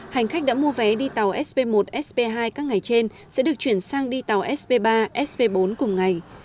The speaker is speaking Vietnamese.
hành khách đã mua vé đi tàu sb một sp hai các ngày trên sẽ được chuyển sang đi tàu sb ba sb bốn cùng ngày